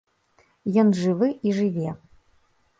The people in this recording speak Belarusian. Ён жыве і жыве.